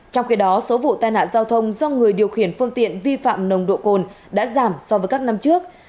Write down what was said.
trong khi đó số vụ tai nạn giao thông do người điều khiển phương tiện vi phạm nồng độ cồn đã giảm so với các năm trước